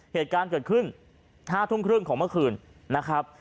เหตุการณ์เกิดขึ้น๕ทุ่มครึ่งของเมื่อคืนนะครับ